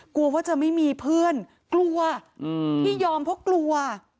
กลัวว่าจะไม่มีเพื่อนกลัวที่ยอมเพราะกลัว